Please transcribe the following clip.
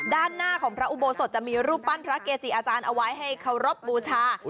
ด้านหน้าของพระอุโบสถจะมีรูปปั้นพระเกจิอาจารย์เอาไว้ให้เคารพบูชา